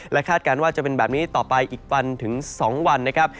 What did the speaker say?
คาดการณ์ว่าจะเป็นแบบนี้ต่อไปอีกวันถึง๒วันนะครับ